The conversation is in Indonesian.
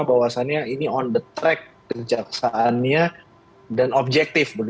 bahwasannya ini on the track kejaksaannya dan objektif